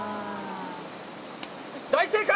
大正解！